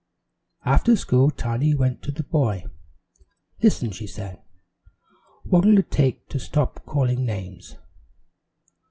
After school Tiny went to the boy. "Listen," she said, "what'll you take to stop calling names?"